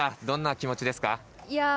どんな気持ちですか？